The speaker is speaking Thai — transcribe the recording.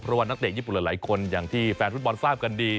เพราะว่านักเตะญี่ปุ่นหลายคนอย่างที่แฟนฟุตบอลทราบกันดี